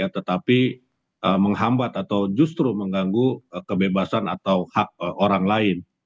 tetapi menghambat atau justru mengganggu kebebasan atau hak orang lain